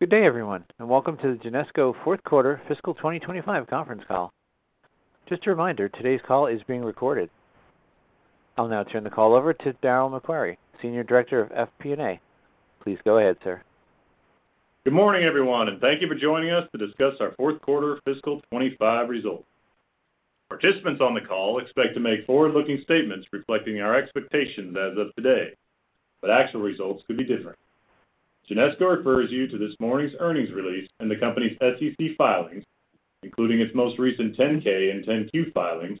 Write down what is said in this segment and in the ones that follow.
Good day, everyone, and welcome to the Genesco Fourth Quarter Fiscal 2025 Conference Call. Just a reminder, today's call is being recorded. I'll now turn the call over to Darryl MacQuarrie, Senior Director of FP&A. Please go ahead, sir. Good morning, everyone, and thank you for joining us to discuss our fourth quarter fiscal 2025 results. Participants on the call expect to make forward-looking statements reflecting our expectations as of today, but actual results could be different. Genesco refers you to this morning's earnings release and the company's SEC filings, including its most recent 10-K and 10-Q filings,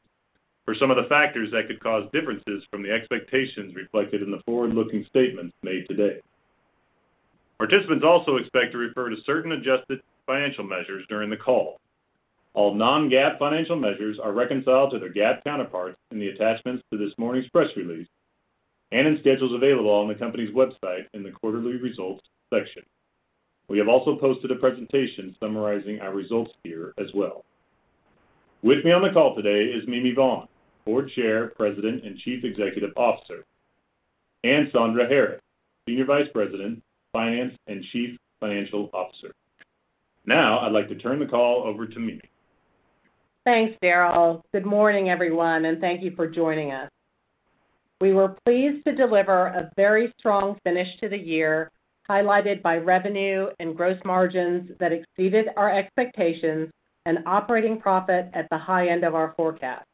for some of the factors that could cause differences from the expectations reflected in the forward-looking statements made today. Participants also expect to refer to certain adjusted financial measures during the call. All non-GAAP financial measures are reconciled to their GAAP counterparts in the attachments to this morning's press release and in schedules available on the company's website in the Quarterly Results section. We have also posted a presentation summarizing our results here as well. With me on the call today is Mimi Vaughn, Board Chair, President, and Chief Executive Officer, and Sandra Harris, Senior Vice President, Finance, and Chief Financial Officer. Now, I'd like to turn the call over to Mimi. Thanks, Darryl. Good morning, everyone, and thank you for joining us. We were pleased to deliver a very strong finish to the year, highlighted by revenue and gross margins that exceeded our expectations and operating profit at the high end of our forecast.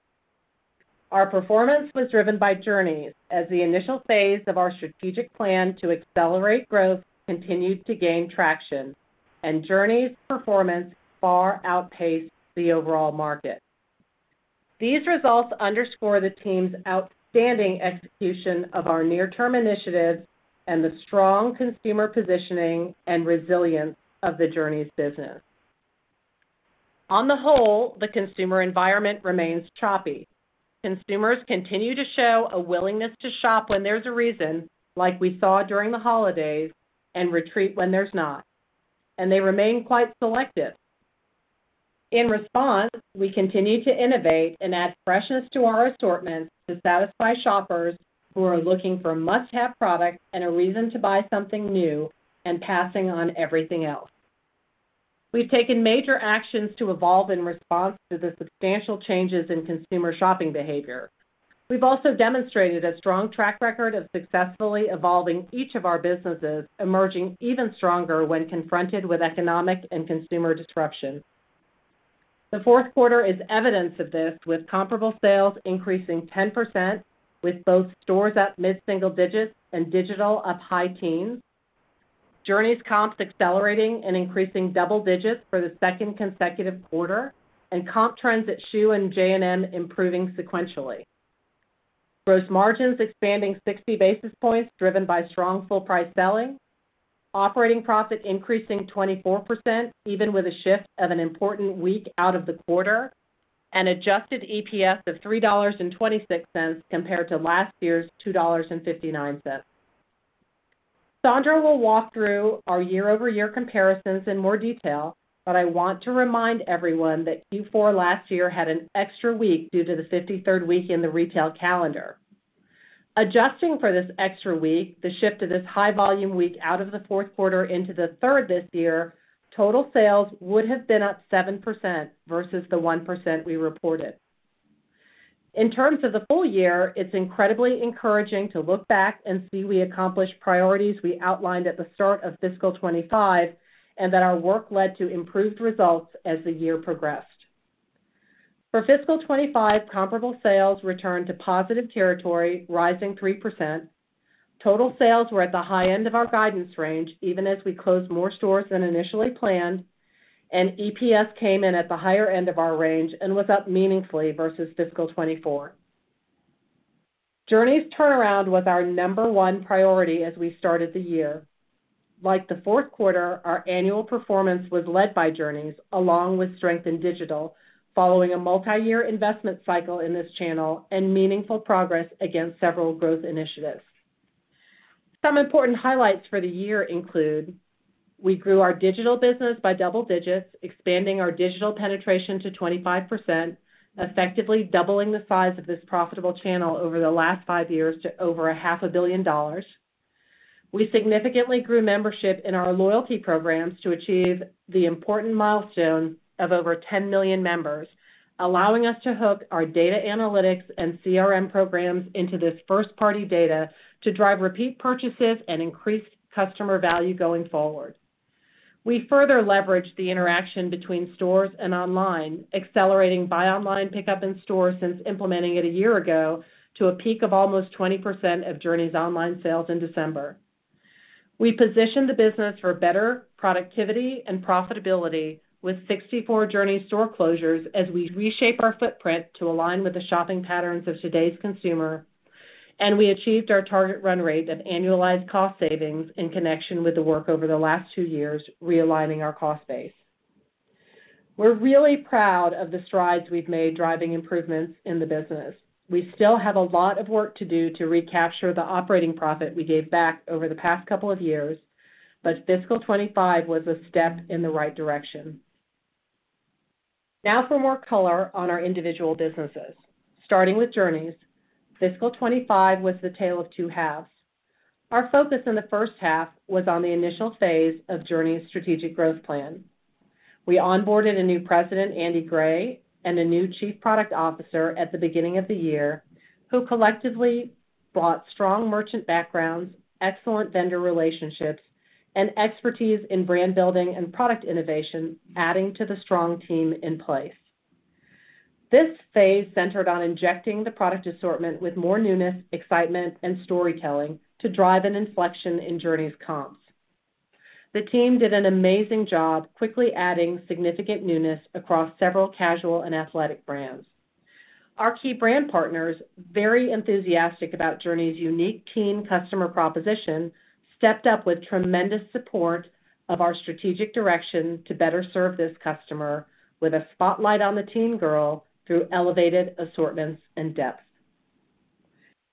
Our performance was driven by Journeys, as the initial phase of our strategic plan to accelerate growth continued to gain traction, and Journeys' performance far outpaced the overall market. These results underscore the team's outstanding execution of our near-term initiatives and the strong consumer positioning and resilience of the Journeys business. On the whole, the consumer environment remains choppy. Consumers continue to show a willingness to shop when there's a reason, like we saw during the holidays, and retreat when there's not, and they remain quite selective. In response, we continue to innovate and add freshness to our assortments to satisfy shoppers who are looking for must-have products and a reason to buy something new, and passing on everything else. We've taken major actions to evolve in response to the substantial changes in consumer shopping behavior. We've also demonstrated a strong track record of successfully evolving each of our businesses, emerging even stronger when confronted with economic and consumer disruption. The fourth quarter is evidence of this, with comparable sales increasing 10%, with both stores at mid-single digits and Digital up high teens, Journeys comps accelerating and increasing double digits for the second consecutive quarter, and comp trends at Schuh and J&M improving sequentially. Gross margins expanding 60 basis points driven by strong full-price selling, operating profit increasing 24%, even with a shift of an important week out of the quarter, and adjusted EPS of $3.26 compared to last year's $2.59. Sandra will walk through our year-over-year comparisons in more detail, but I want to remind everyone that Q4 last year had an extra week due to the 53rd week in the retail calendar. Adjusting for this extra week, the shift to this high-volume week out of the fourth quarter into the third this year, total sales would have been up 7% versus the 1% we reported. In terms of the full year, it's incredibly encouraging to look back and see we accomplished priorities we outlined at the start of fiscal 2025 and that our work led to improved results as the year progressed. For fiscal 2025, comparable sales returned to positive territory, rising 3%. Total sales were at the high end of our guidance range, even as we closed more stores than initially planned, and EPS came in at the higher end of our range and was up meaningfully versus fiscal 2024. Journeys turnaround was our number one priority as we started the year. Like the fourth quarter, our annual performance was led by Journeys, along with strength in Digital, following a multi-year investment cycle in this channel and meaningful progress against several growth initiatives. Some important highlights for the year include we grew our Digital business by double digits, expanding our Digital penetration to 25%, effectively doubling the size of this profitable channel over the last five years to over $500,000,000. We significantly grew membership in our loyalty programs to achieve the important milestone of over 10 million members, allowing us to hook our data analytics and CRM programs into this first-party data to drive repeat purchases and increased customer value going forward. We further leveraged the interaction between stores and online, accelerating buy online pickup in stores since implementing it a year ago to a peak of almost 20% of Journeys online sales in December. We positioned the business for better productivity and profitability with 64 Journeys store closures as we reshape our footprint to align with the shopping patterns of today's consumer, and we achieved our target run rate of annualized cost savings in connection with the work over the last two years, realigning our cost base. We're really proud of the strides we've made driving improvements in the business. We still have a lot of work to do to recapture the operating profit we gave back over the past couple of years, but fiscal 2025 was a step in the right direction. Now for more color on our individual businesses. Starting with Journeys, Fiscal 2025 was the tale of two halves. Our focus in the first half was on the initial phase of Journeys' strategic growth plan. We onboarded a new President, Andy Gray, and a new Chief Product Officer at the beginning of the year, who collectively brought strong merchant backgrounds, excellent vendor relationships, and expertise in brand building and product innovation, adding to the strong team in place. This phase centered on injecting the product assortment with more newness, excitement, and storytelling to drive an inflection in Journeys comps. The team did an amazing job quickly adding significant newness across several casual and athletic brands. Our key brand partners, very enthusiastic about Journeys' unique teen customer proposition, stepped up with tremendous support of our strategic direction to better serve this customer with a spotlight on the teen girl through elevated assortments and depth.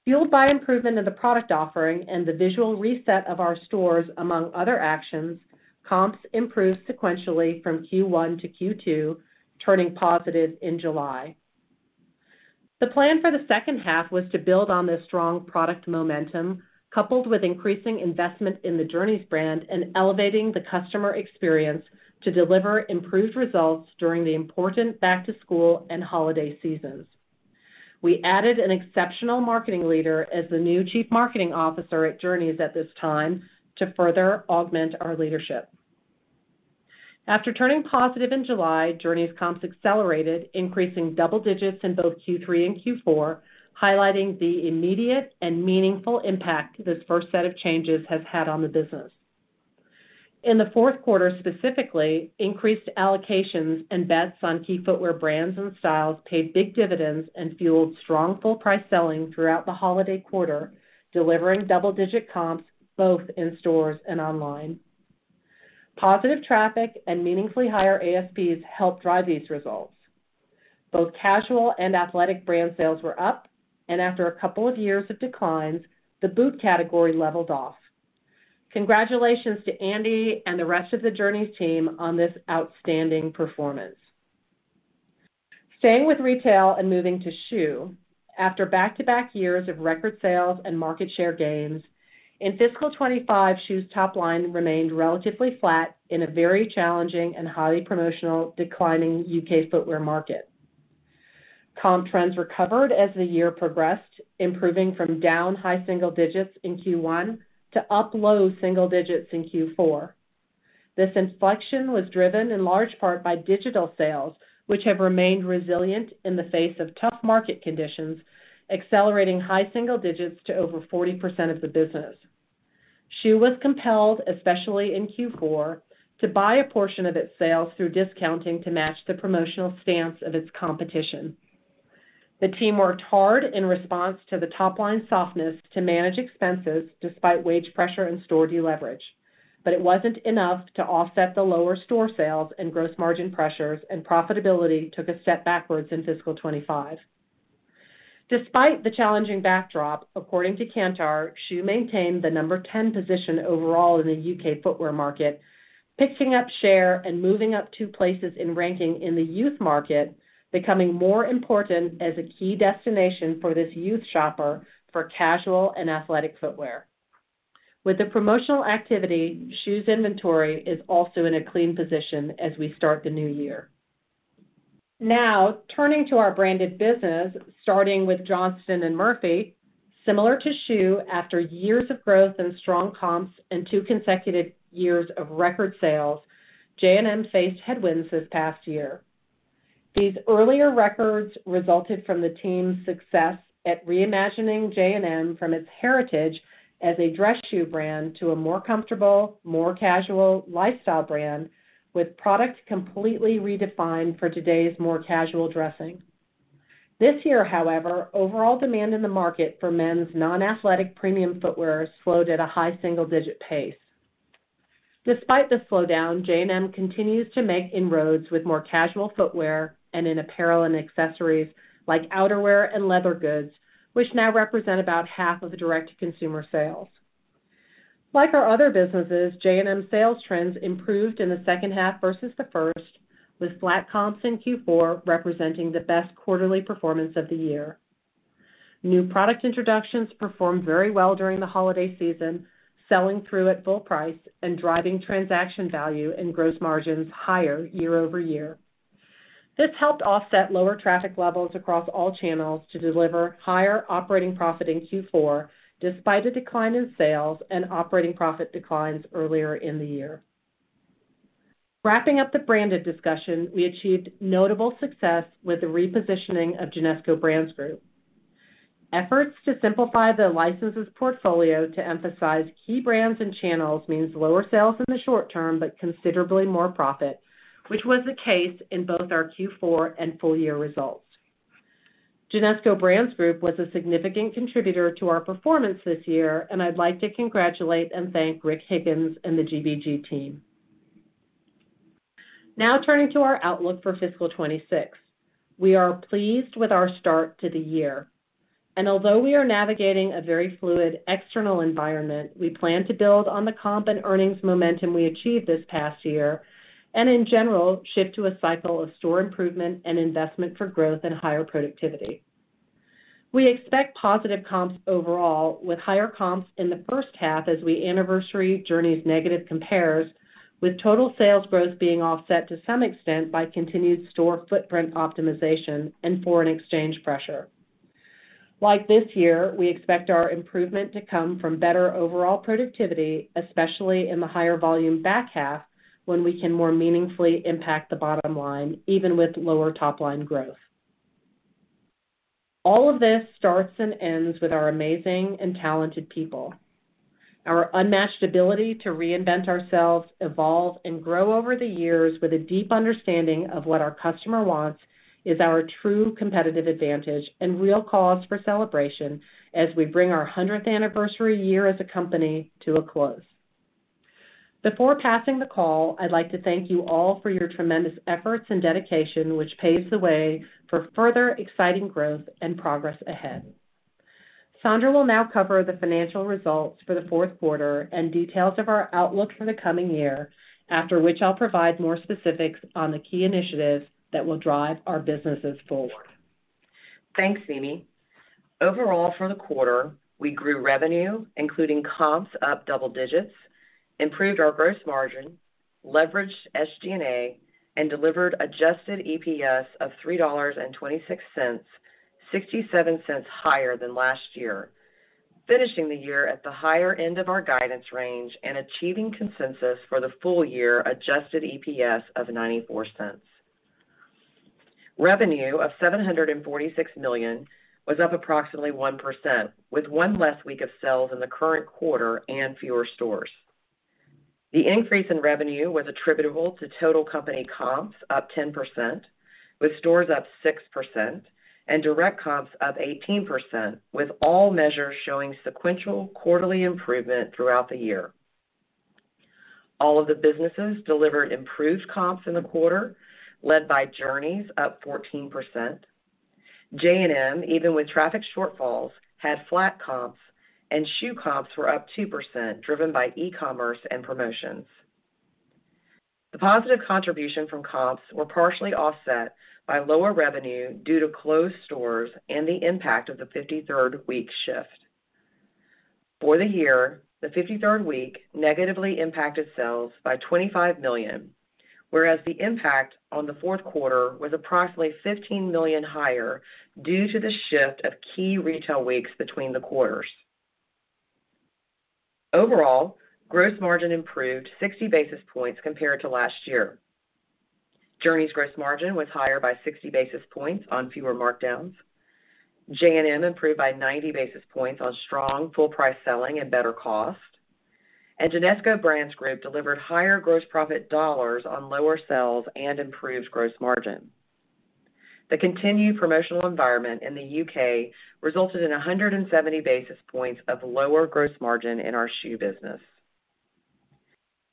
Fueled by improvement in the product offering and the visual reset of our stores, among other actions, comps improved sequentially from Q1 to Q2, turning positive in July. The plan for the second half was to build on this strong product momentum, coupled with increasing investment in the Journeys brand and elevating the customer experience to deliver improved results during the important back-to-school and holiday seasons. We added an exceptional marketing leader as the new Chief Marketing Officer at Journeys at this time to further augment our leadership. After turning positive in July, Journeys comps accelerated, increasing double digits in both Q3 and Q4, highlighting the immediate and meaningful impact this first set of changes has had on the business. In the fourth quarter specifically, increased allocations and bets on key footwear brands and styles paid big dividends and fueled strong full-price selling throughout the holiday quarter, delivering double-digit comps both in stores and online. Positive traffic and meaningfully higher ASPs helped drive these results. Both casual and athletic brand sales were up, and after a couple of years of declines, the boot category leveled off. Congratulations to Andy and the rest of the Journeys team on this outstanding performance. Staying with retail and moving to Schuh, after back-to-back years of record sales and market share gains, in fiscal 2025, Schuh's top line remained relatively flat in a very challenging and highly promotional declining U.K. footwear market. Comp trends recovered as the year progressed, improving from down high single digits in Q1 to up low single digits in Q4. This inflection was driven in large part by digital sales, which have remained resilient in the face of tough market conditions, accelerating high single digits to over 40% of the business. Schuh was compelled, especially in Q4, to buy a portion of its sales through discounting to match the promotional stance of its competition. The team worked hard in response to the top line softness to manage expenses despite wage pressure and store deleverage, but it was not enough to offset the lower store sales and gross margin pressures, and profitability took a step backwards in fiscal 2025. Despite the challenging backdrop, according to Kantar, Schuh maintained the number 10 position overall in the U.K. footwear market, picking up share and moving up two places in ranking in the youth market, becoming more important as a key destination for this youth shopper for casual and athletic footwear. With the promotional activity, Schuh's inventory is also in a clean position as we start the new year. Now, turning to our branded business, starting with Johnston & Murphy, similar to Schuh, after years of growth and strong comps and two consecutive years of record sales, J&M faced headwinds this past year. These earlier records resulted from the team's success at reimagining J&M from its heritage as a dress shoe brand to a more comfortable, more casual lifestyle brand, with product completely redefined for today's more casual dressing. This year, however, overall demand in the market for men's non-athletic premium footwear slowed at a high single-digit pace. Despite the slowdown, J&M continues to make inroads with more casual footwear and in apparel and accessories like outerwear and leather goods, which now represent about half of direct-to-consumer sales. Like our other businesses, J&M's sales trends improved in the second half versus the first, with flat comps in Q4 representing the best quarterly performance of the year. New product introductions performed very well during the holiday season, selling through at full price and driving transaction value and gross margins higher year over year. This helped offset lower traffic levels across all channels to deliver higher operating profit in Q4, despite a decline in sales and operating profit declines earlier in the year. Wrapping up the branded discussion, we achieved notable success with the repositioning of Genesco Brands Group. Efforts to simplify the licenses portfolio to emphasize key brands and channels means lower sales in the short term but considerably more profit, which was the case in both our Q4 and full-year results. Genesco Brands Group was a significant contributor to our performance this year, and I'd like to congratulate and thank Rick Higgins and the GBG team. Now turning to our outlook for fiscal 2026, we are pleased with our start to the year. Although we are navigating a very fluid external environment, we plan to build on the comp and earnings momentum we achieved this past year and, in general, shift to a cycle of store improvement and investment for growth and higher productivity. We expect positive comps overall, with higher comps in the first half as we anniversary Journeys negative compares, with total sales growth being offset to some extent by continued store footprint optimization and foreign exchange pressure. Like this year, we expect our improvement to come from better overall productivity, especially in the higher volume back half, when we can more meaningfully impact the bottom line, even with lower top line growth. All of this starts and ends with our amazing and talented people. Our unmatched ability to reinvent ourselves, evolve, and grow over the years with a deep understanding of what our customer wants is our true competitive advantage and real cause for celebration as we bring our 100th anniversary year as a company to a close. Before passing the call, I'd like to thank you all for your tremendous efforts and dedication, which paves the way for further exciting growth and progress ahead. Sandra will now cover the financial results for the fourth quarter and details of our outlook for the coming year, after which I'll provide more specifics on the key initiatives that will drive our businesses forward. Thanks, Mimi. Overall, for the quarter, we grew revenue, including comps up double digits, improved our gross margin, leveraged SG&A, and delivered adjusted EPS of $3.26, $0.67 higher than last year, finishing the year at the higher end of our guidance range and achieving consensus for the full-year adjusted EPS of $0.94. Revenue of $746 million was up approximately 1%, with one less week of sales in the current quarter and fewer stores. The increase in revenue was attributable to total company comps up 10%, with stores up 6%, and direct comps up 18%, with all measures showing sequential quarterly improvement throughout the year. All of the businesses delivered improved comps in the quarter, led by Journeys up 14%. J&M, even with traffic shortfalls, had flat comps, and Schuh comps were up 2%, driven by e-commerce and promotions. The positive contribution from comps was partially offset by lower revenue due to closed stores and the impact of the 53rd week shift. For the year, the 53rd week negatively impacted sales by $25 million, whereas the impact on the fourth quarter was approximately $15 million higher due to the shift of key retail weeks between the quarters. Overall, gross margin improved 60 basis points compared to last year. Journeys gross margin was higher by 60 basis points on fewer markdowns. J&M improved by 90 basis points on strong full-price selling and better cost. Genesco Brands Group delivered higher gross profit dollars on lower sales and improved gross margin. The continued promotional environment in the U.K. resulted in 170 basis points of lower gross margin in our Schuh business.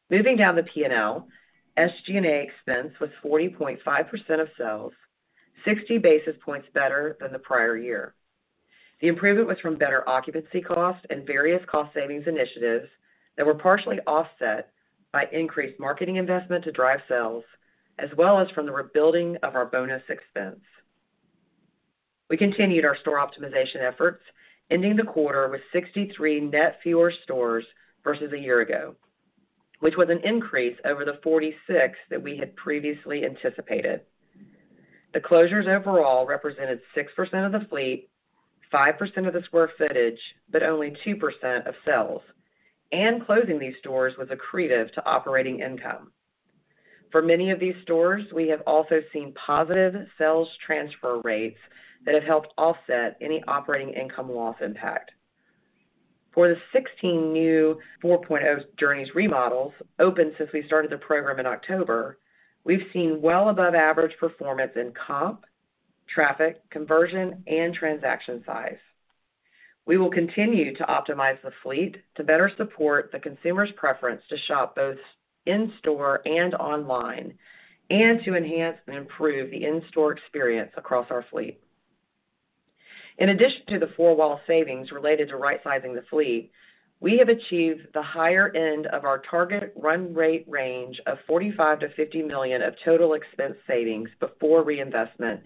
Moving down the P&L, SG&A expense was 40.5% of sales, 60 basis points better than the prior year. The improvement was from better occupancy costs and various cost savings initiatives that were partially offset by increased marketing investment to drive sales, as well as from the rebuilding of our bonus expense. We continued our store optimization efforts, ending the quarter with 63 net fewer stores versus a year ago, which was an increase over the 46 that we had previously anticipated. The closures overall represented 6% of the fleet, 5% of the square footage, but only 2% of sales. Closing these stores was accretive to operating income. For many of these stores, we have also seen positive sales transfer rates that have helped offset any operating income loss impact. For the 16 new Journeys 4.0 remodels opened since we started the program in October, we have seen well above average performance in comp, traffic, conversion, and transaction size. We will continue to optimize the fleet to better support the consumer's preference to shop both in store and online and to enhance and improve the in-store experience across our fleet. In addition to the four-wall savings related to right-sizing the fleet, we have achieved the higher end of our target run rate range of $45 million-$50 million of total expense savings before reinvestment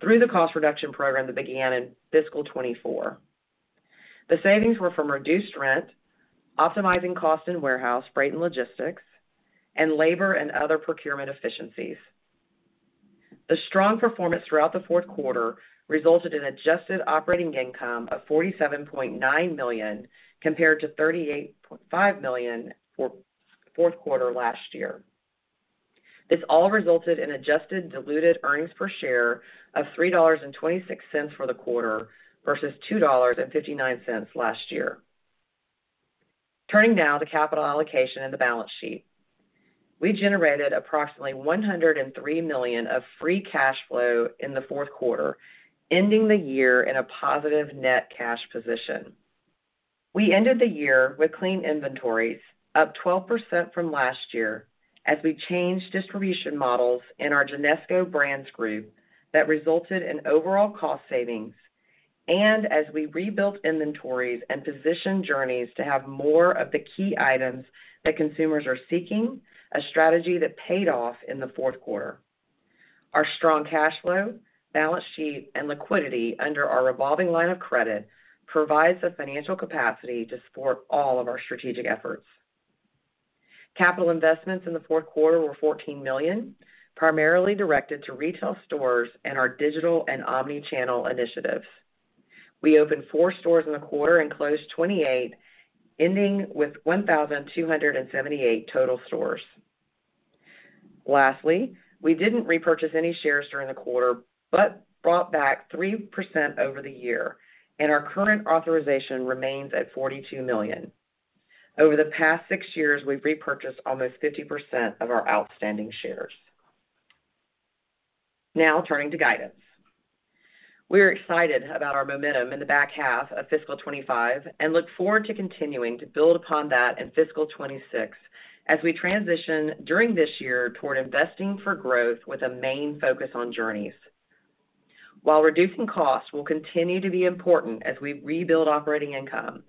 through the cost reduction program that began in fiscal 2024. The savings were from reduced rent, optimizing cost in warehouse, freight, and logistics, and labor and other procurement efficiencies. The strong performance throughout the fourth quarter resulted in adjusted operating income of $47.9 million compared to $38.5 million for the fourth quarter last year. This all resulted in adjusted diluted earnings per share of $3.26 for the quarter versus $2.59 last year. Turning now to capital allocation in the balance sheet, we generated approximately $103 million of free cash flow in the fourth quarter, ending the year in a positive net cash position. We ended the year with clean inventories, up 12% from last year, as we changed distribution models in our Genesco Brands Group that resulted in overall cost savings, and as we rebuilt inventories and positioned Journeys to have more of the key items that consumers are seeking, a strategy that paid off in the fourth quarter. Our strong cash flow, balance sheet, and liquidity under our revolving line of credit provides the financial capacity to support all of our strategic efforts. Capital investments in the fourth quarter were $14 million, primarily directed to retail stores and our digital and omnichannel initiatives. We opened four stores in the quarter and closed 28, ending with 1,278 total stores. Lastly, we didn't repurchase any shares during the quarter but brought back 3% over the year, and our current authorization remains at $42 million. Over the past six years, we've repurchased almost 50% of our outstanding shares. Now turning to guidance, we are excited about our momentum in the back half of fiscal 2025 and look forward to continuing to build upon that in fiscal 2026 as we transition during this year toward investing for growth with a main focus on Journeys. While reducing costs will continue to be important as we rebuild operating income,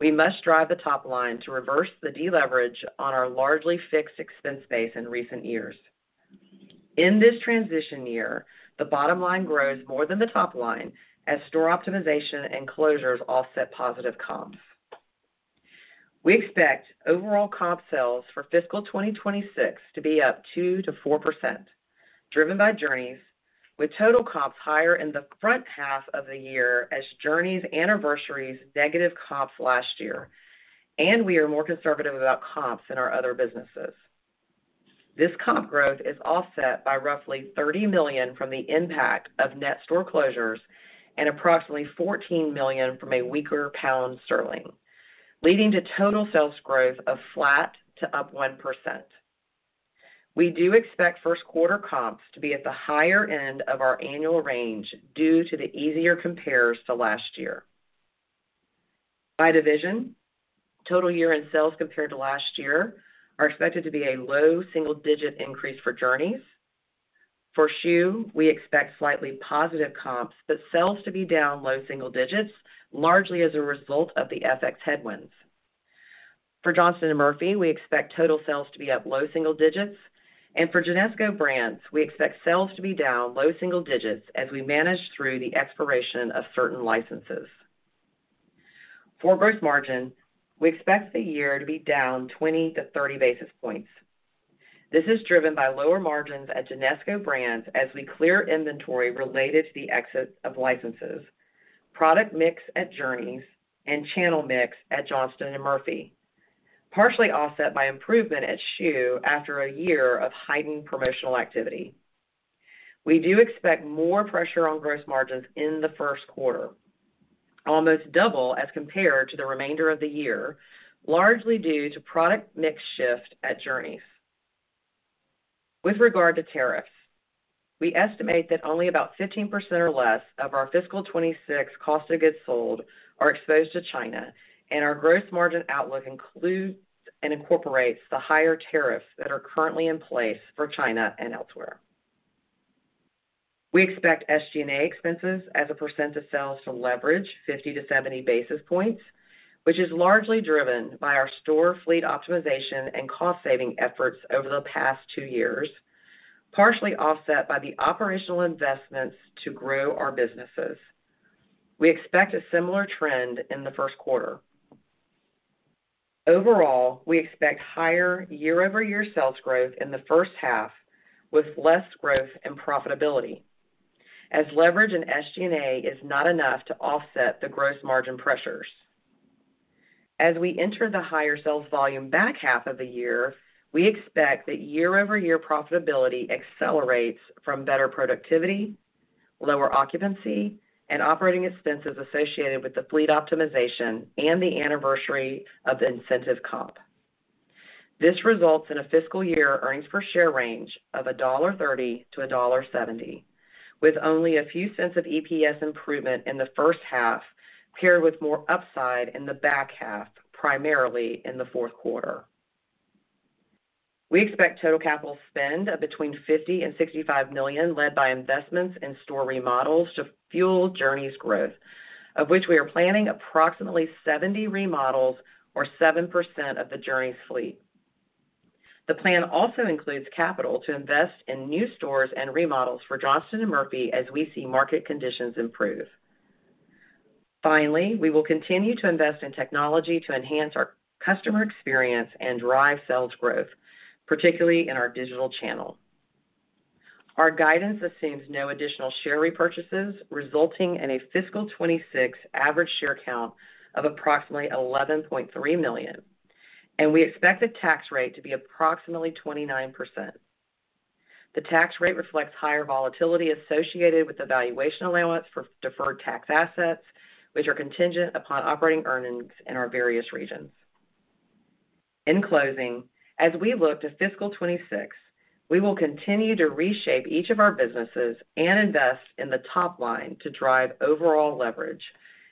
we must drive the top line to reverse the deleverage on our largely fixed expense base in recent years. In this transition year, the bottom line grows more than the top line as store optimization and closures offset positive comps. We expect overall comp sales for fiscal 2026 to be up 2-4%, driven by Journeys, with total comps higher in the front half of the year as Journeys anniversaries negative comps last year, and we are more conservative about comps in our other businesses. This comp growth is offset by roughly $30 million from the impact of net store closures and approximately $14 million from a weaker Pound Sterling, leading to total sales growth of flat to up 1%. We do expect first quarter comps to be at the higher end of our annual range due to the easier compares to last year. By division, total year-end sales compared to last year are expected to be a low single-digit increase for Journeys. For Schuh, we expect slightly positive comps, but sales to be down low single digits, largely as a result of the FX headwinds. For Johnston & Murphy, we expect total sales to be up low single digits, and for Genesco Brands, we expect sales to be down low single digits as we manage through the expiration of certain licenses. For gross margin, we expect the year to be down 20 to 30 basis points. This is driven by lower margins at Genesco Brands as we clear inventory related to the exit of licenses, product mix at Journeys, and channel mix at Johnston & Murphy, partially offset by improvement at Schuh after a year of heightened promotional activity. We do expect more pressure on gross margins in the first quarter, almost double as compared to the remainder of the year, largely due to product mix shift at Journeys. With regard to tariffs, we estimate that only about 15% or less of our fiscal 2026 cost of goods sold are exposed to China, and our gross margin outlook includes and incorporates the higher tariffs that are currently in place for China and elsewhere. We expect SG&A expenses as a percent of sales to leverage 50-70 basis points, which is largely driven by our store fleet optimization and cost-saving efforts over the past two years, partially offset by the operational investments to grow our businesses. We expect a similar trend in the first quarter. Overall, we expect higher year-over-year sales growth in the first half, with less growth and profitability, as leverage in SG&A is not enough to offset the gross margin pressures. As we enter the higher sales volume back half of the year, we expect that year-over-year profitability accelerates from better productivity, lower occupancy, and operating expenses associated with the fleet optimization and the anniversary of the incentive comp. This results in a fiscal year earnings per share range of $1.30-$1.70, with only a few cents of EPS improvement in the first half, paired with more upside in the back half, primarily in the fourth quarter. We expect total capital spend of between $50 million and $65 million, led by investments in store remodels to fuel Journeys growth, of which we are planning approximately 70 remodels or 7% of the Journeys fleet. The plan also includes capital to invest in new stores and remodels for Johnston & Murphy as we see market conditions improve. Finally, we will continue to invest in technology to enhance our customer experience and drive sales growth, particularly in our Digital channel. Our guidance assumes no additional share repurchases, resulting in a fiscal 2026 average share count of approximately 11.3 million, and we expect the tax rate to be approximately 29%. The tax rate reflects higher volatility associated with the valuation allowance for deferred tax assets, which are contingent upon operating earnings in our various regions. In closing, as we look to fiscal 2026, we will continue to reshape each of our businesses and invest in the top line to drive overall leverage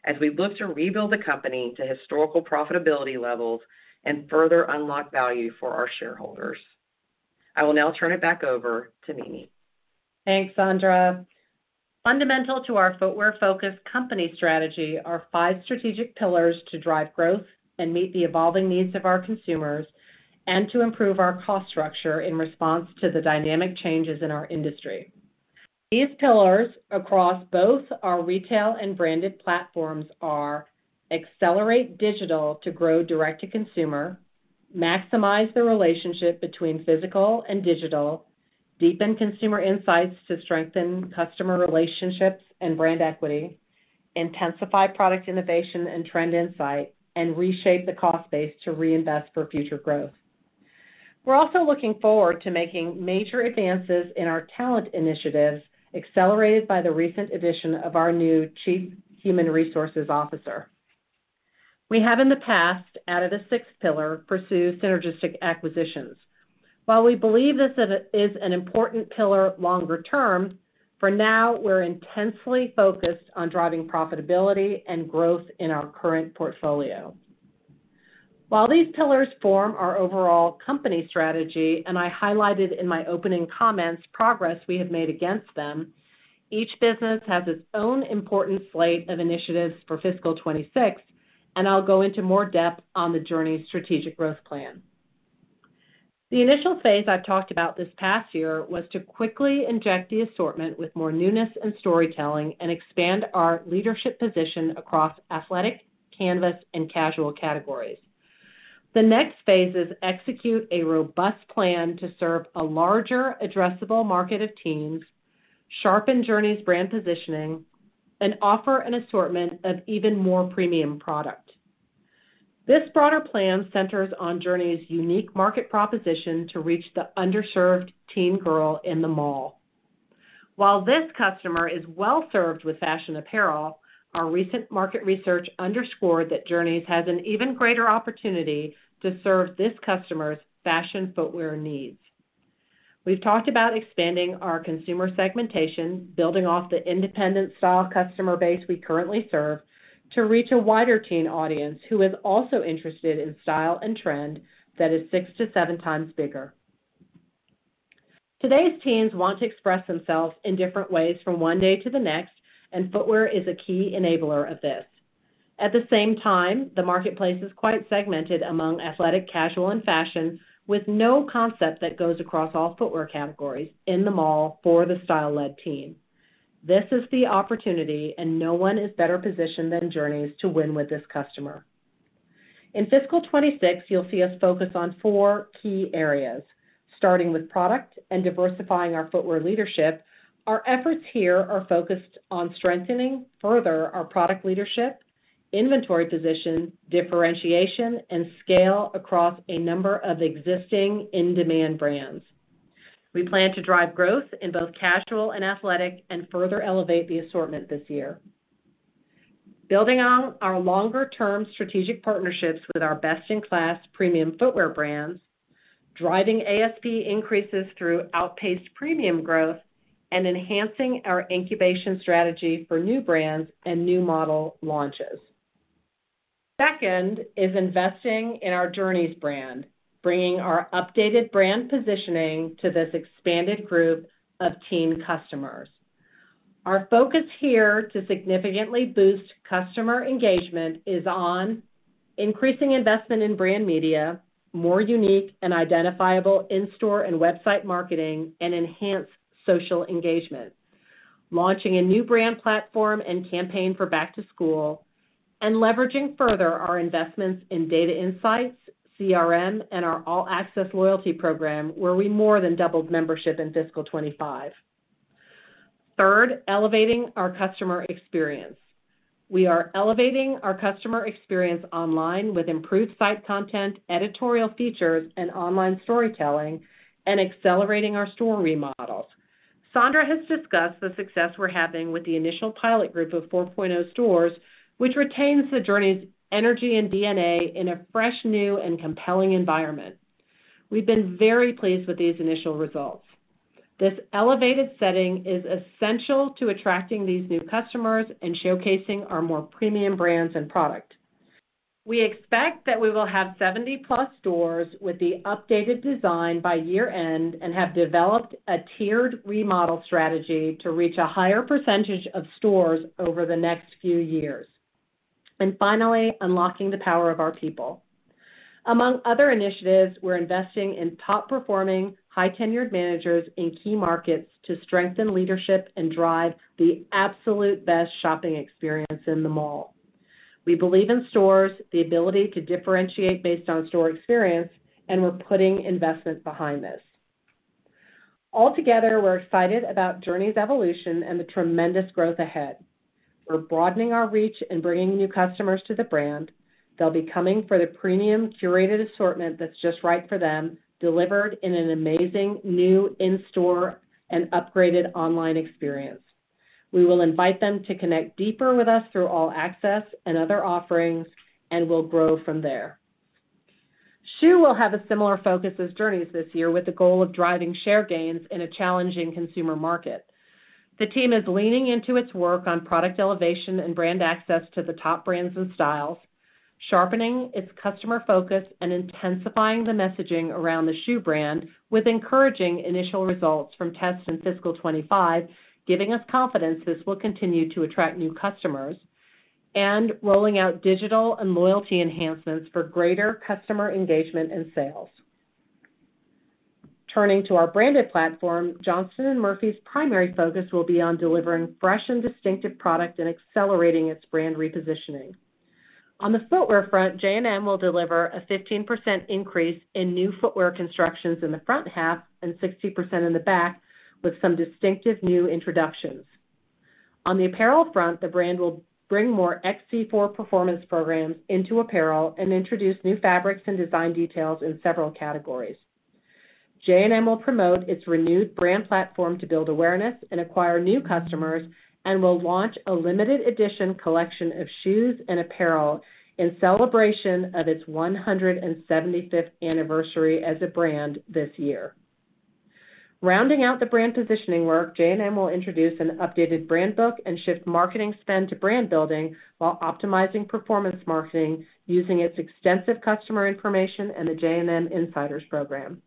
as we look to rebuild the company to historical profitability levels and further unlock value for our shareholders. I will now turn it back over to Mimi. Thanks, Sandra. Fundamental to our footwear-focused company strategy are five strategic pillars to drive growth and meet the evolving needs of our consumers and to improve our cost structure in response to the dynamic changes in our industry. These pillars across both our retail and branded platforms are accelerate digital to grow direct-to-consumer, maximize the relationship between physical and digital, deepen consumer insights to strengthen customer relationships and brand equity, intensify product innovation and trend insight, and reshape the cost base to reinvest for future growth. We're also looking forward to making major advances in our talent initiatives, accelerated by the recent addition of our new Chief Human Resources Officer. We have in the past, out of the sixth pillar, pursued synergistic acquisitions. While we believe this is an important pillar longer term, for now, we're intensely focused on driving profitability and growth in our current portfolio. While these pillars form our overall Company strategy, and I highlighted in my opening comments progress we have made against them, each business has its own important slate of initiatives for fiscal 2026, and I'll go into more depth on the Journeys strategic growth plan. The initial phase I've talked about this past year was to quickly inject the assortment with more newness and storytelling and expand our leadership position across athletic, canvas, and casual categories. The next phase is to execute a robust plan to serve a larger, addressable market of teens, sharpen Journeys brand positioning, and offer an assortment of even more premium product. This broader plan centers on Journeys' unique market proposition to reach the underserved teen girl in the mall. While this customer is well-served with fashion apparel, our recent market research underscored that Journeys has an even greater opportunity to serve this customer's fashion footwear needs. We've talked about expanding our consumer segmentation, building off the independent style customer base we currently serve to reach a wider teen audience who is also interested in style and trend that is six to seven times bigger. Today's teens want to express themselves in different ways from one day to the next, and footwear is a key enabler of this. At the same time, the marketplace is quite segmented among athletic, casual, and fashion, with no concept that goes across all footwear categories in the mall for the style-led teen. This is the opportunity, and no one is better positioned than Journeys to win with this customer. In fiscal 2026, you'll see us focus on four key areas. Starting with product and diversifying our footwear leadership, our efforts here are focused on strengthening further our product leadership, inventory position, differentiation, and scale across a number of existing in-demand brands. We plan to drive growth in both casual and athletic and further elevate the assortment this year, building on our longer-term strategic partnerships with our best-in-class premium footwear brands, driving ASP increases through outpaced premium growth, and enhancing our incubation strategy for new brands and new model launches. Second is investing in our Journeys brand, bringing our updated brand positioning to this expanded group of teen customers. Our focus here to significantly boost customer engagement is on increasing investment in brand media, more unique and identifiable in-store and website marketing, and enhanced social engagement, launching a new brand platform and campaign for back to school, and leveraging further our investments in data insights, CRM, and our All Access loyalty program, where we more than doubled membership in fiscal 2025. Third, elevating our customer experience. We are elevating our customer experience online with improved site content, editorial features, and online storytelling, and accelerating our store remodels. Sandra has discussed the success we're having with the initial pilot group of 4.0 stores, which retains the Journeys energy and DNA in a fresh, new, and compelling environment. We've been very pleased with these initial results. This elevated setting is essential to attracting these new customers and showcasing our more premium brands and product. We expect that we will have 70-plus stores with the updated design by year-end and have developed a tiered remodel strategy to reach a higher percentage of stores over the next few years. Finally, unlocking the power of our people. Among other initiatives, we're investing in top-performing, high-tenured managers in key markets to strengthen leadership and drive the absolute best shopping experience in the mall. We believe in stores, the ability to differentiate based on store experience, and we're putting investment behind this. Altogether, we're excited about Journeys' evolution and the tremendous growth ahead. We're broadening our reach and bringing new customers to the brand. They'll be coming for the premium curated assortment that's just right for them, delivered in an amazing new in-store and upgraded online experience. We will invite them to connect deeper with us through All-Access and other offerings, and we'll grow from there. Schuh will have a similar focus as Journeys this year with the goal of driving share gains in a challenging consumer market. The team is leaning into its work on product elevation and brand access to the top brands and styles, sharpening its customer focus and intensifying the messaging around the Schuh brand with encouraging initial results from tests in fiscal 2025, giving us confidence this will continue to attract new customers, and rolling out digital and loyalty enhancements for greater customer engagement and sales. Turning to our branded platform, Johnston & Murphy's primary focus will be on delivering fresh and distinctive product and accelerating its brand repositioning. On the footwear front, J&M will deliver a 15% increase in new footwear constructions in the front half and 60% in the back with some distinctive new introductions. On the apparel front, the brand will bring more XC4 performance programs into apparel and introduce new fabrics and design details in several categories. J&M will promote its renewed brand platform to build awareness and acquire new customers and will launch a limited edition collection of shoes and apparel in celebration of its 175th anniversary as a brand this year. Rounding out the brand positioning work, J&M will introduce an updated brand book and shift marketing spend to brand building while optimizing performance marketing using its extensive customer information and the J&M Insiders program.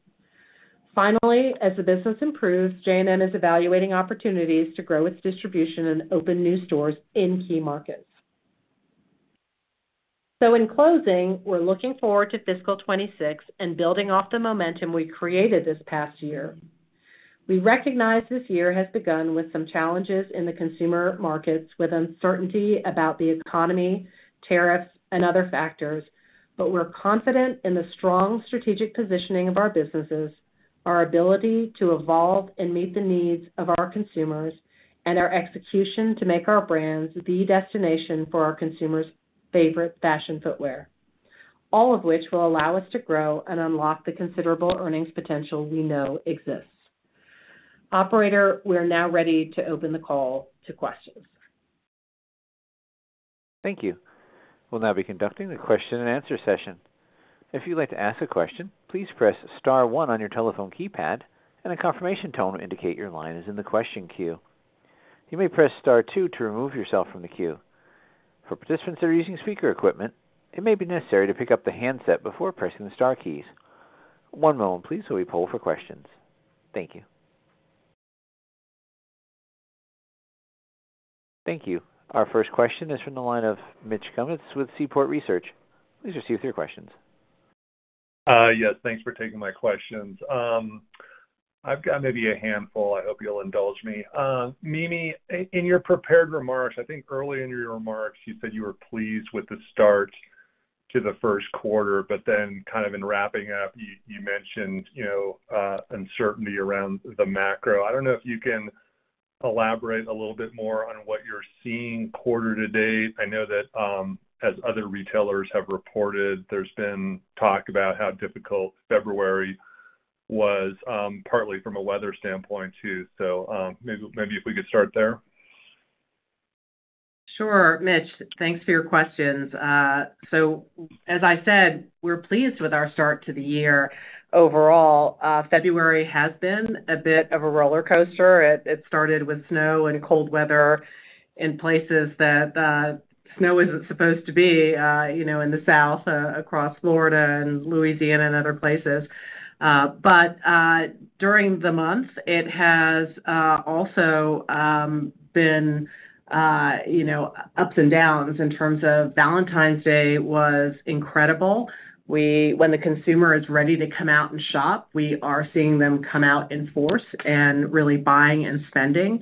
Finally, as the business improves, J&M is evaluating opportunities to grow its distribution and open new stores in key markets. We are looking forward to fiscal 2026 and building off the momentum we created this past year. We recognize this year has begun with some challenges in the consumer markets with uncertainty about the economy, tariffs, and other factors, but we're confident in the strong strategic positioning of our businesses, our ability to evolve and meet the needs of our consumers, and our execution to make our brands the destination for our consumers' favorite fashion footwear, all of which will allow us to grow and unlock the considerable earnings potential we know exists. Operator, we're now ready to open the call to questions. Thank you. We'll now be conducting the question-and-answer session. If you'd like to ask a question, please press star one on your telephone keypad, and a confirmation tone will indicate your line is in the question queue. You may press star two to remove yourself from the queue. For participants that are using speaker equipment, it may be necessary to pick up the handset before pressing the Star keys. One moment, please, while we pull for questions. Thank you. Thank you. Our first question is from the line of Mitch Kummetz with Seaport Research. Please proceed with your questions. Yes. Thanks for taking my questions. I've got maybe a handful. I hope you'll indulge me. Mimi, in your prepared remarks, I think early in your remarks, you said you were pleased with the start to the first quarter, but then kind of in wrapping up, you mentioned uncertainty around the macro. I don't know if you can elaborate a little bit more on what you're seeing quarter to date. I know that as other retailers have reported, there's been talk about how difficult February was, partly from a weather standpoint too. Maybe if we could start there. Sure, Mitch. Thanks for your questions. As I said, we're pleased with our start to the year. Overall, February has been a bit of a roller coaster. It started with snow and cold weather in places that snow isn't supposed to be in the south across Florida and Louisiana and other places. During the month, it has also been ups and downs in terms of Valentine's Day was incredible. When the consumer is ready to come out and shop, we are seeing them come out in force and really buying and spending.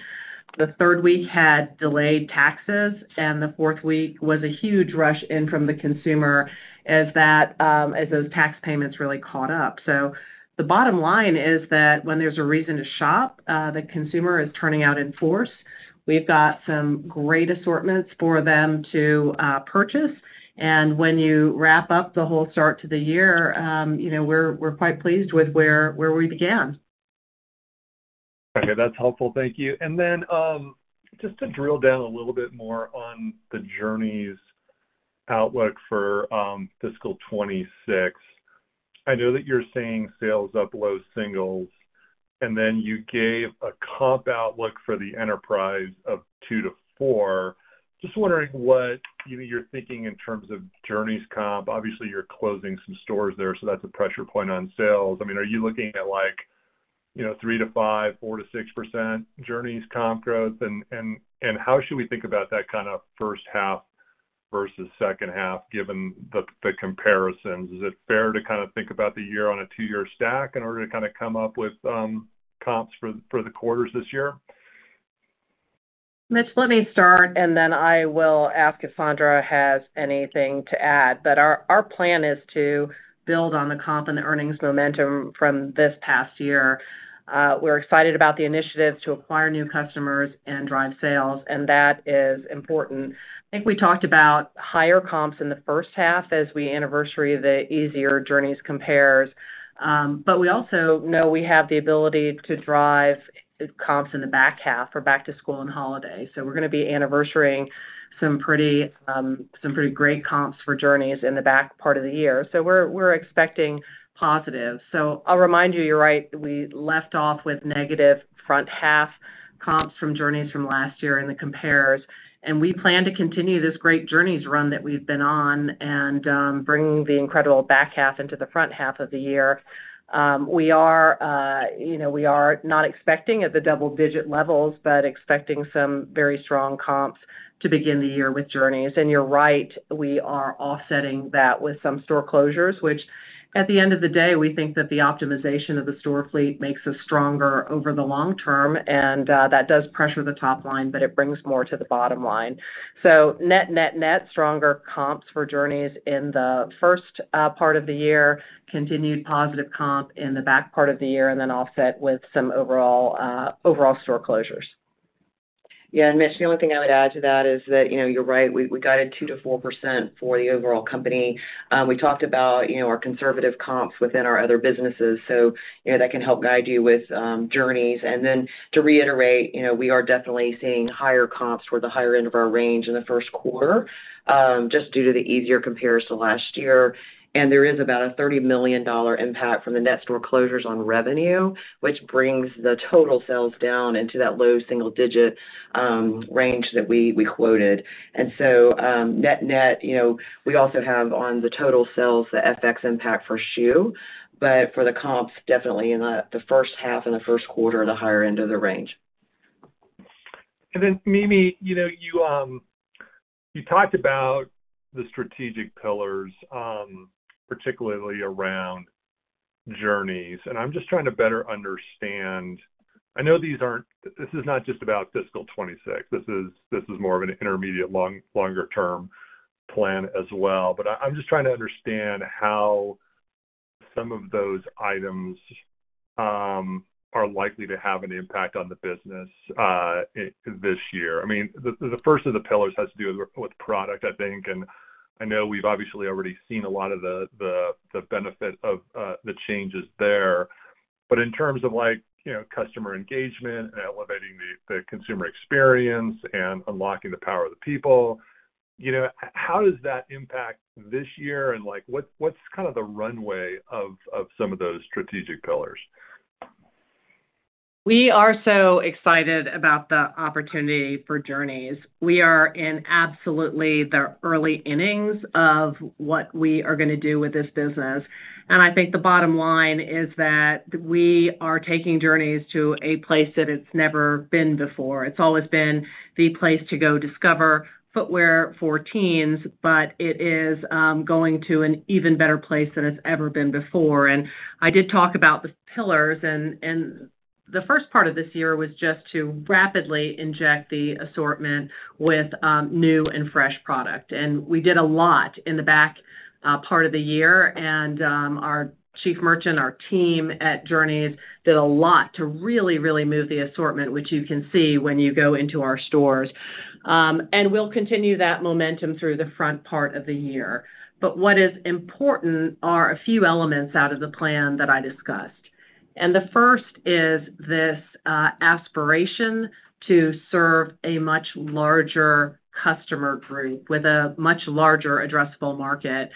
The third week had delayed taxes, and the fourth week was a huge rush in from the consumer as those tax payments really caught up. The bottom line is that when there's a reason to shop, the consumer is turning out in force. We've got some great assortments for them to purchase. When you wrap up the whole start to the year, we're quite pleased with where we began. Okay. That's helpful. Thank you. Just to drill down a little bit more on the Journeys outlook for Fiscal 2026, I know that you're seeing sales up below singles, and then you gave a comp outlook for the enterprise of 2-4%. Just wondering what you're thinking in terms of Journeys comp. Obviously, you're closing some stores there, so that's a pressure point on sales. I mean, are you looking at 3-5%, 4-6% Journeys comp growth? How should we think about that kind of first half versus second half given the comparisons? Is it fair to kind of think about the year on a two-year stack in order to kind of come up with comps for the quarters this year? Mitch, let me start, and then I will ask if Sandra has anything to add. Our plan is to build on the comp and the earnings momentum from this past year. We're excited about the initiatives to acquire new customers and drive sales, and that is important. I think we talked about higher comps in the first half as we anniversary the easier Journeys compares. We also know we have the ability to drive comps in the back half for back-to-school and Holidays. We're going to be anniversarying some pretty great comps for Journeys in the back part of the year. We're expecting positives. I'll remind you, you're right, we left off with negative front half comps from Journeys from last year in the compares. We plan to continue this great Journeys run that we've been on and bring the incredible back half into the front half of the year. We are not expecting at the double-digit levels, but expecting some very strong comps to begin the year with Journeys. You're right, we are offsetting that with some store closures, which at the end of the day, we think that the optimization of the store fleet makes us stronger over the long term, and that does pressure the top line, but it brings more to the bottom line. Net-net-net stronger comps for Journeys in the first part of the year, continued positive comp in the back part of the year, and then offset with some overall store closures. Yeah. Mitch, the only thing I would add to that is that you're right, we guided 2%-4% for the overall company. We talked about our conservative comps within our other businesses, so that can help guide you with Journeys. To reiterate, we are definitely seeing higher comps toward the higher end of our range in the first quarter just due to the easier comparison last year. There is about a $30 million impact from the net store closures on revenue, which brings the total sales down into that low single-digit range that we quoted. Net, net, we also have on the total sales the FX impact for Schuh, but for the comps, definitely in the first half and the first quarter at the higher end of the range. Mimi, you talked about the strategic pillars, particularly around Journeys. I'm just trying to better understand. I know this is not just about fiscal 2026. This is more of an intermediate longer-term plan as well. I'm just trying to understand how some of those items are likely to have an impact on the business this year. I mean, the first of the pillars has to do with product, I think. I know we've obviously already seen a lot of the benefit of the changes there. In terms of customer engagement and elevating the consumer experience and unlocking the power of the people, how does that impact this year? What's kind of the runway of some of those strategic pillars? We are so excited about the opportunity for Journeys. We are in absolutely the early innings of what we are going to do with this business. I think the bottom line is that we are taking Journeys to a place that it's never been before. It's always been the place to go discover footwear for teens, but it is going to an even better place than it's ever been before. I did talk about the pillars, and the first part of this year was just to rapidly inject the assortment with new and fresh product. We did a lot in the back part of the year, and our Chief Merchant, our team at Journeys, did a lot to really, really move the assortment, which you can see when you go into our stores. We will continue that momentum through the front part of the year. What is important are a few elements out of the plan that I discussed. The first is this aspiration to serve a much larger customer group with a much larger addressable market.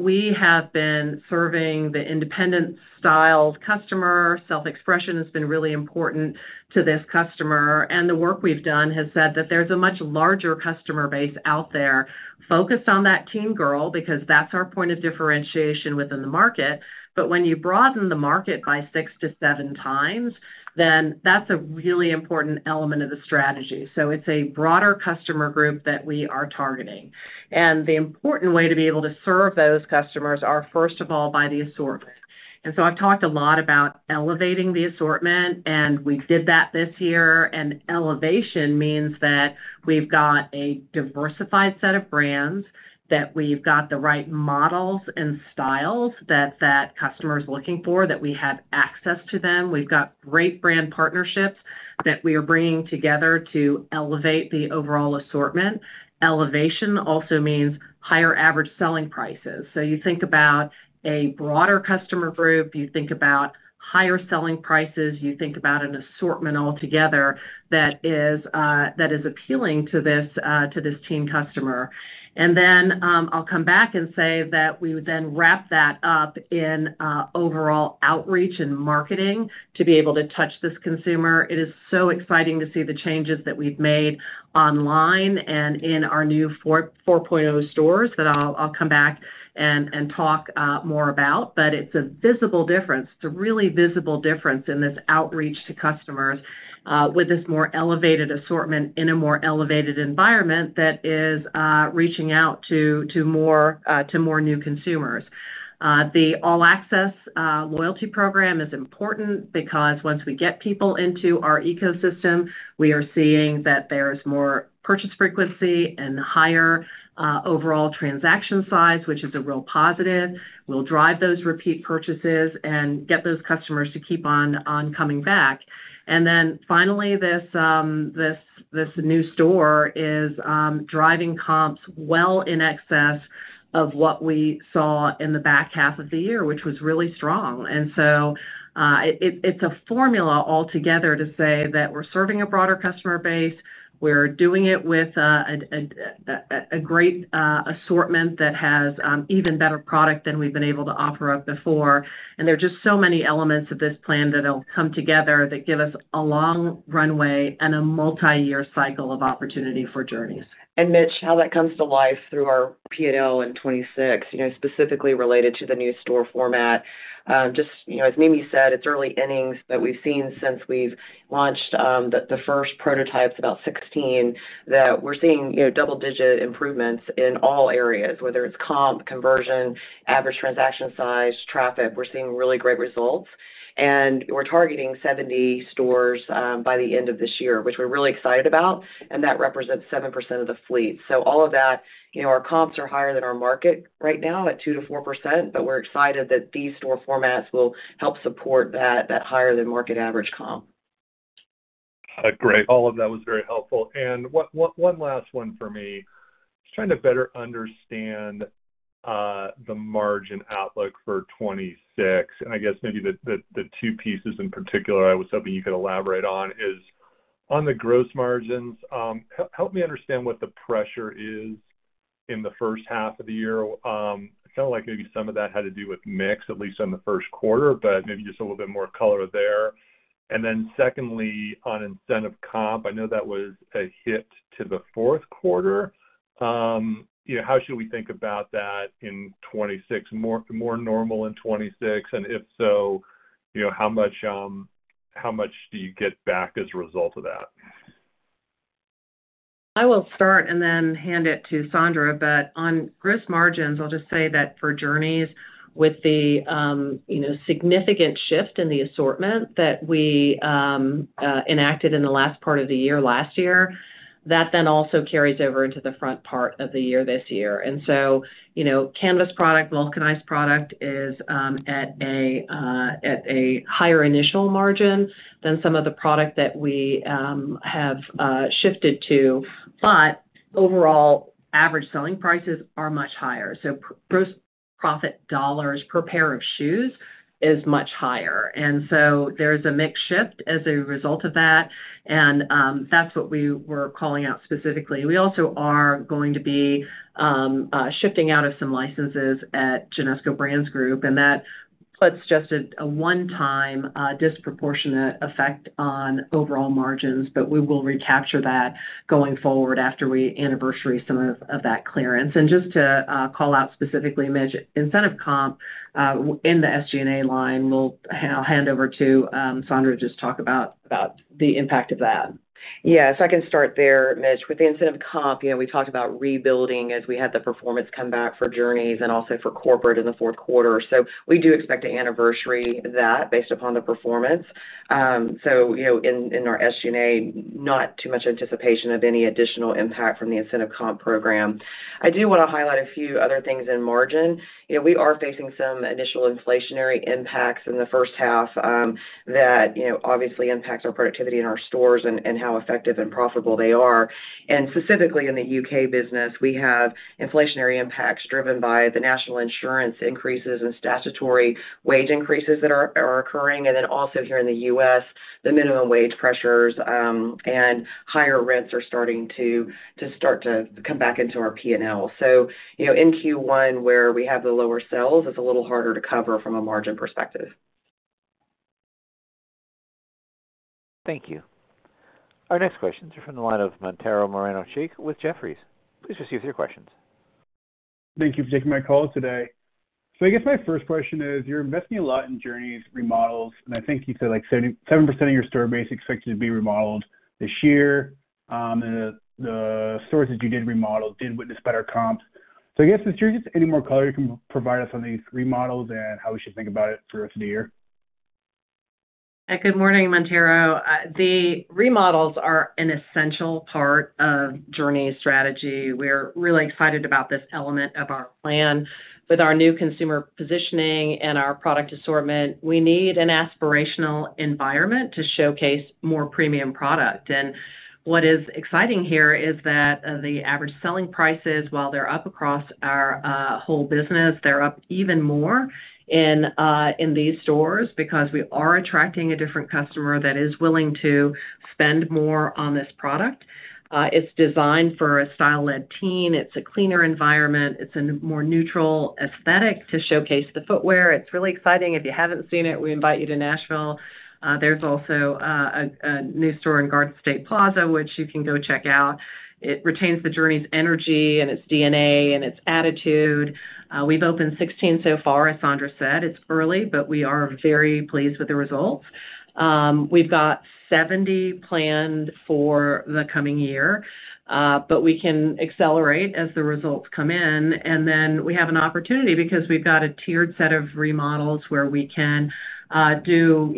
We have been serving the independent style customer. Self-expression has been really important to this customer. The work we've done has said that there's a much larger customer base out there focused on that teen girl because that's our point of differentiation within the market. When you broaden the market by six to seven times, then that's a really important element of the strategy. It is a broader customer group that we are targeting. The important way to be able to serve those customers are, first of all, by the assortment. I've talked a lot about elevating the assortment, and we did that this year. Elevation means that we've got a diversified set of brands, that we've got the right models and styles that that customer is looking for, that we have access to them. We've got great brand partnerships that we are bringing together to elevate the overall assortment. Elevation also means higher average selling prices. You think about a broader customer group, you think about higher selling prices, you think about an assortment altogether that is appealing to this teen customer. I'll come back and say that we would then wrap that up in overall outreach and marketing to be able to touch this consumer. It is so exciting to see the changes that we've made online and in our new 4.0 stores that I'll come back and talk more about. It's a visible difference. It's a really visible difference in this outreach to customers with this more elevated assortment in a more elevated environment that is reaching out to more new consumers. The All-Access loyalty program is important because once we get people into our ecosystem, we are seeing that there is more purchase frequency and higher overall transaction size, which is a real positive. We'll drive those repeat purchases and get those customers to keep on coming back. Finally, this new store is driving comps well in excess of what we saw in the back half of the year, which was really strong. It is a formula altogether to say that we're serving a broader customer base. We're doing it with a great assortment that has even better product than we've been able to offer up before. There are just so many elements of this plan that will come together that give us a long runway and a multi-year cycle of opportunity for Journeys. Mitch, how that comes to life through our P&L in 2026, specifically related to the new store format. Just as Mimi said, it's early innings, but we've seen since we've launched the first prototypes, about 2016, that we're seeing double-digit improvements in all areas, whether it's comp, conversion, average transaction size, traffic. We're seeing really great results. We're targeting 70 stores by the end of this year, which we're really excited about. That represents 7% of the fleet. All of that, our comps are higher than our market right now at 2%-4%, but we're excited that these store formats will help support that higher-than-market average comp. Great. All of that was very helpful. One last one for me. I'm trying to better understand the margin outlook for 2026. I guess maybe the two pieces in particular I was hoping you could elaborate on is on the gross margins, help me understand what the pressure is in the first half of the year. It sounded like maybe some of that had to do with mix, at least on the first quarter, but maybe just a little bit more color there. Secondly, on incentive comp, I know that was a hit to the fourth quarter. How should we think about that in 2026? More normal in 2026? If so, how much do you get back as a result of that? I will start and then hand it to Sandra. On gross margins, I'll just say that for Journeys, with the significant shift in the assortment that we enacted in the last part of the year last year, that then also carries over into the front part of the year this year. Canvas product, vulcanized product is at a higher initial margin than some of the product that we have shifted to. Overall, average selling prices are much higher. Gross profit dollars per pair of shoes is much higher. There is a mixed shift as a result of that. That is what we were calling out specifically. We also are going to be shifting out of some licenses at Genesco Brands Group. That puts just a one-time disproportionate effect on overall margins. We will recapture that going forward after we anniversary some of that clearance. Just to call out specifically, Mitch, incentive comp in the SG&A line, I'll hand over to Sandra to just talk about the impact of that. Yeah. I can start there, Mitch. With the incentive comp, we talked about rebuilding as we had the performance come back for Journeys and also for corporate in the fourth quarter. We do expect to anniversary that based upon the performance. In our SG&A, not too much anticipation of any additional impact from the incentive comp program. I do want to highlight a few other things in margin. We are facing some initial inflationary impacts in the first half that obviously impact our productivity in our stores and how effective and profitable they are. Specifically in the U.K. business, we have inflationary impacts driven by the National Insurance increases and statutory wage increases that are occurring. Also here in the U.S., the minimum wage pressures and higher rents are starting to come back into our P&L. In Q1, where we have the lower sales, it's a little harder to cover from a margin perspective. Thank you. Our next questions are from the line of Mantero Moreno-Cheek with Jefferies. Please proceed with your questions. Thank you for taking my call today. I guess my first question is, you're investing a lot in Journeys remodels. I think you said 7% of your store base expected to be remodeled this year. The stores that you did remodel did witness better comps. Is there just any more color you can provide us on these remodels and how we should think about it for the rest of the year? Good morning, Mantero. The remodels are an essential part of Journeys strategy. We're really excited about this element of our plan. With our new consumer positioning and our product assortment, we need an aspirational environment to showcase more premium product. What is exciting here is that the average selling prices, while they're up across our whole business, they're up even more in these stores because we are attracting a different customer that is willing to spend more on this product. It's designed for a style-led teen. It's a cleaner environment. It's a more neutral aesthetic to showcase the footwear. It's really exciting. If you haven't seen it, we invite you to Nashville. There's also a new store in Garden State Plaza, which you can go check out. It retains the Journeys energy and its DNA and its attitude. We've opened 16 so far, as Sandra said. It's early, but we are very pleased with the results. We've got 70 planned for the coming year, but we can accelerate as the results come in. We have an opportunity because we've got a tiered set of remodels where we can do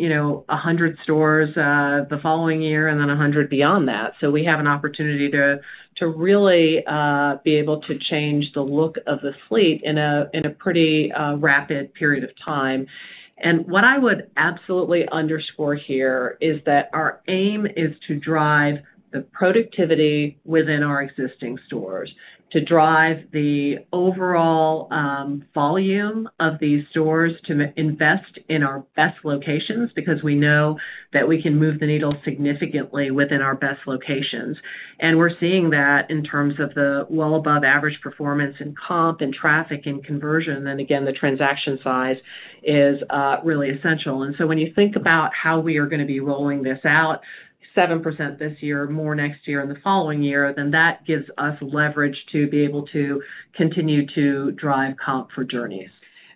100 stores the following year and then 100 beyond that. We have an opportunity to really be able to change the look of the fleet in a pretty rapid period of time. What I would absolutely underscore here is that our aim is to drive the productivity within our existing stores, to drive the overall volume of these stores, to invest in our best locations because we know that we can move the needle significantly within our best locations. We're seeing that in terms of the well above average performance in comp and traffic and conversion. The transaction size is really essential. When you think about how we are going to be rolling this out, 7% this year, more next year, and the following year, that gives us leverage to be able to continue to drive comp for Journeys.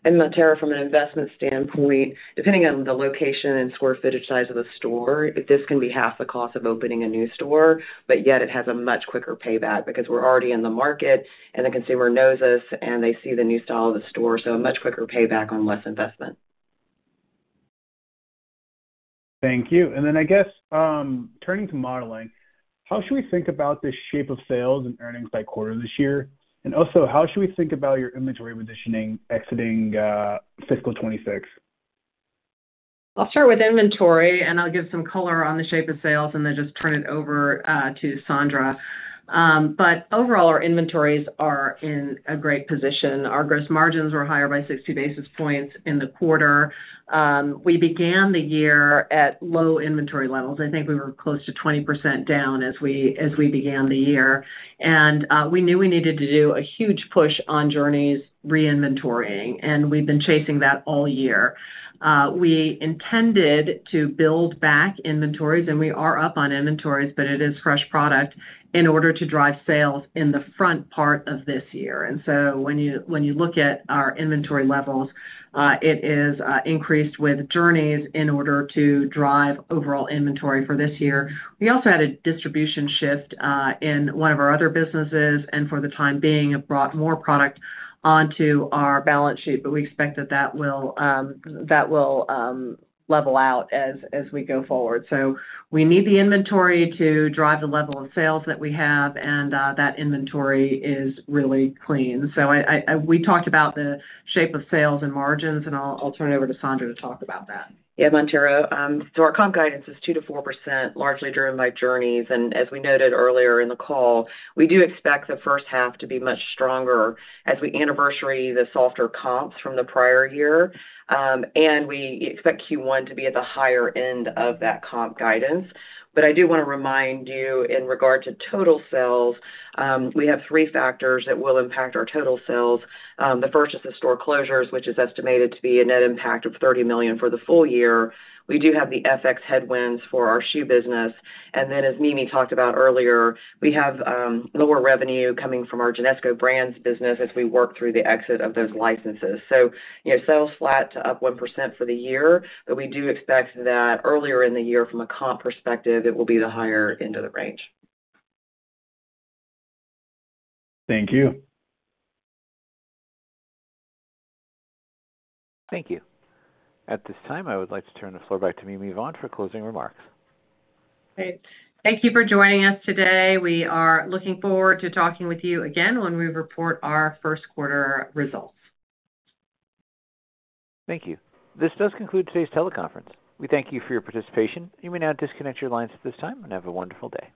Mantero, from an investment standpoint, depending on the location and square footage size of the store, this can be half the cost of opening a new store, but yet it has a much quicker payback because we are already in the market and the consumer knows us and they see the new style of the store. A much quicker payback on less investment. Thank you. I guess turning to modeling, how should we think about the shape of sales and earnings by quarter this year? Also, how should we think about your inventory positioning exiting fiscal 2026? I'll start with inventory, and I'll give some color on the shape of sales, and then just turn it over to Sandra. Overall, our inventories are in a great position. Our gross margins were higher by 60 basis points in the quarter. We began the year at low inventory levels. I think we were close to 20% down as we began the year. We knew we needed to do a huge push on Journeys re-inventorying, and we've been chasing that all year. We intended to build back inventories, and we are up on inventories, but it is fresh product in order to drive sales in the front part of this year. When you look at our inventory levels, it is increased with Journeys in order to drive overall inventory for this year. We also had a distribution shift in one of our other businesses and for the time being have brought more product onto our balance sheet, but we expect that that will level out as we go forward. We need the inventory to drive the level of sales that we have, and that inventory is really clean. We talked about the shape of sales and margins, and I'll turn it over to Sandra to talk about that. Yeah, Mantero. Our comp guidance is 2%-4%, largely driven by Journeys. As we noted earlier in the call, we do expect the first half to be much stronger as we anniversary the softer comps from the prior year. We expect Q1 to be at the higher end of that comp guidance. I do want to remind you in regard to total sales, we have three factors that will impact our total sales. The first is the store closures, which is estimated to be a net impact of $30 million for the full year. We do have the FX headwinds for our Schuh business. And then, as Mimi talked about earlier, we have lower revenue coming from our Genesco Brands business as we work through the exit of those licenses. Sales flat to up 1% for the year, but we do expect that earlier in the year from a comp perspective, it will be the higher end of the range. Thank you. Thank you. At this time, I would like to turn the floor back to Mimi Vaughn for closing remarks. Great. Thank you for joining us today. We are looking forward to talking with you again when we report our first quarter results. Thank you. This does conclude today's teleconference. We thank you for your participation. You may now disconnect your lines at this time and have a wonderful day.